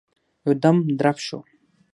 يودم درب شو.